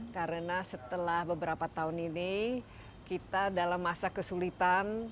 karena setelah beberapa tahun ini kita dalam masa kesulitan